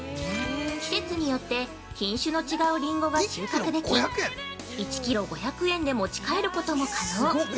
季節によって品種の違うりんごが収穫でき、１キロ５００円で持ち帰ることも可能。